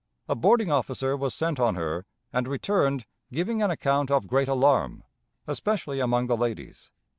A boarding officer was sent on her, and returned, giving an account of great alarm, especially among the ladies.